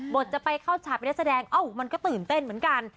จะไปเข้าฉากไปได้แสดงเอ้ามันก็ตื่นเต้นเหมือนกัน